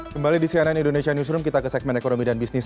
kembali di cnn indonesia newsroom kita ke segmen ekonomi dan bisnis